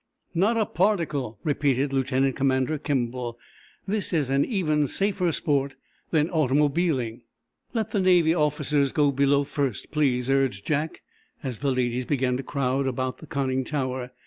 "Not a particle," repeated Lieutenant Commander Kimball. "This is an even safer sport than automobiling." "Let the Navy officers go below first, please," urged Jack, as the ladies began to crowd about the conning tower.